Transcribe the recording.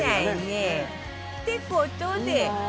って事で